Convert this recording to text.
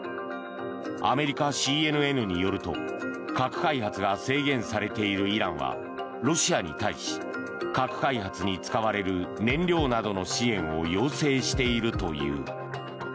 アメリカＣＮＮによると核開発が制限されているイランはロシアに対し核開発に使われる燃料などの支援を要請しているという。